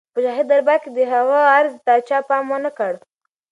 په شاهي دربار کې د هغه عرض ته چا پام ونه کړ.